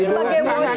kita sebagai wajah